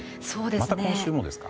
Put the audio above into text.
また今週もですか？